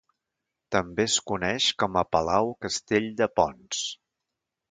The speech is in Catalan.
També es coneix com a Palau Castell de Pons.